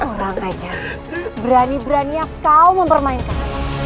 orang kaja berani beraninya kau mempermainkan